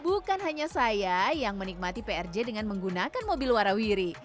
bukan hanya saya yang menikmati prj dengan menggunakan mobil warawiri